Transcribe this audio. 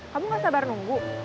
kamu gak sabar nunggu